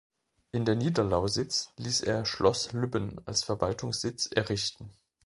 In der Niederlausitz ließ er Schloss Lübben als Verwaltungssitz errichten.